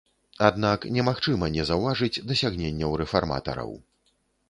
Аднак немагчыма не заўважыць дасягненняў рэфарматараў.